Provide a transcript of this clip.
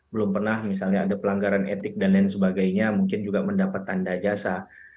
belum pernah misalnya ada pelanggaran etik dan lain sebagainya mungkin juga mendapat tanda jasa